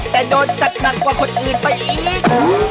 แต่โดนจัดหนักกว่าคนอื่นไปอีก